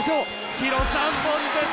白３本です。